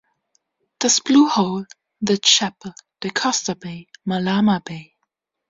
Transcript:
Das Blue Hole, The Chapel, Decosta Bay, Malama Bay.